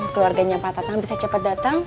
keluarganya pak tatang bisa cepat datang